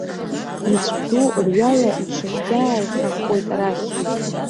Иҵәду рҩаҩа иҿагьааихахуеит арахь.